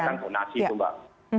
pak jokowi menyampaikan donasi itu mbak